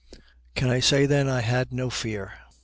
Can I say then I had no fear?